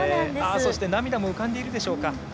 そして涙も浮かんでいるでしょうか。